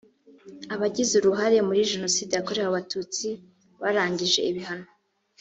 abagize uruhare muri jenoside yakorewe abatutsi barangije ibihano